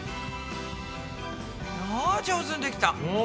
あ上手にできた！